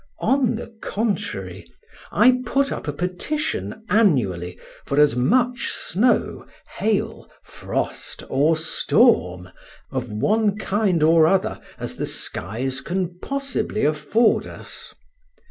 On the contrary, I put up a petition annually for as much snow, hail, frost, or storm, of one kind or other, as the skies can possibly afford us.